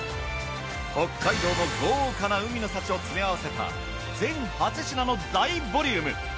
北海道の豪華な海の幸を詰め合わせた全８品の大ボリューム。